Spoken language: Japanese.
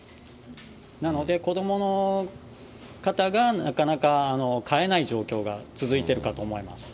なので、子どもの方がなかなか買えない状況が続いているかと思われます。